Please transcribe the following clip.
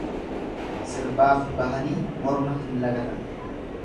Sirbaaf bahanii morma hin lagatan.